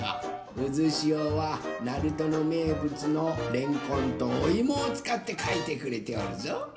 うずしおは鳴門のめいぶつのれんこんとおいもをつかってかいてくれておるぞ。